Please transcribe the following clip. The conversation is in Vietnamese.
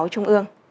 về máu trung ương